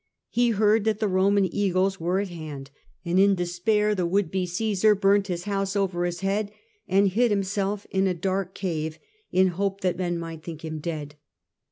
He heard that the Roman eagles were at hand, and in despair love, the would be Cmsar burnt his house over his head and hid himself in a dark cave, in hope that men might think him dead.